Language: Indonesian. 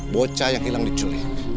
bocah yang hilang diculik